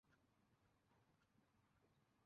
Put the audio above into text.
আমাদের জীবন আমার বুঝবো।